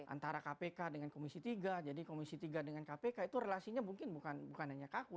antara kpk dengan komisi tiga jadi komisi tiga dengan kpk itu relasinya mungkin bukan hanya kaku